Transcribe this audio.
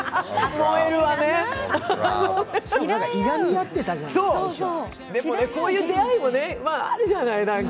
最初、いがみ合ってたじゃんでもね、こういう出会いもあるじゃない。